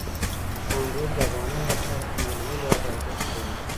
انګور د افغانانو لپاره په معنوي لحاظ ارزښت لري.